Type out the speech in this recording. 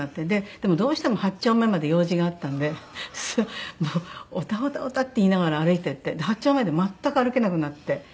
でもどうしても８丁目まで用事があったのでもうおたおたおたっていいながら歩いていって８丁目で全く歩けなくなって。